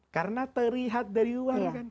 karena terlihat dari luar